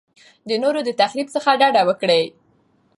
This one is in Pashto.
د نورو د تخریب څخه ډډه وکړئ.